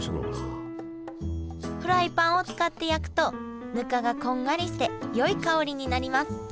フライパンを使って焼くとぬかがこんがりしてよい香りになります